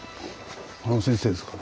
あの先生ですかね。